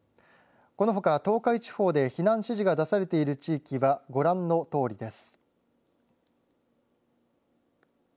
このほか東海地方で避難指示が出されている地域はご覧のとおりです。